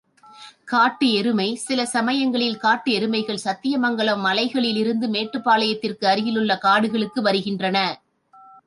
காட்டெருமை சில சமயங்களில் காட்டெருமைகள் சத்தியமங்கலம் மலைகளிலிருந்து மேட்டுப்பாளையத்திற் கருகிலுள்ள காடுகளுக்கு வருகின்றன.